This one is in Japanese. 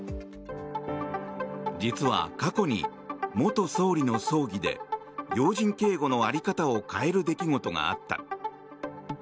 実は過去に元総理の葬儀で要人警護の在り方を変える出来事があった。